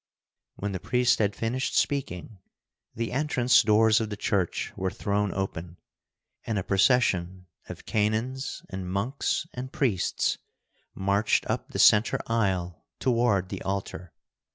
When the priest had finished speaking, the entrance doors of the church were thrown open, and a procession of canons and monks and priests marched up the center aisle toward the altar.